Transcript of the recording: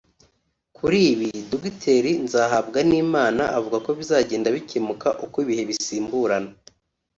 Kuri ibi Dr Nzahabwanimana avuga ko bizagenda bikemuka uko ibihe bisimburana